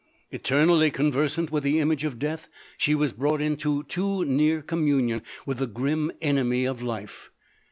Eternally conversant with the image of death, she was brought into too near communion with the grim enemy of life.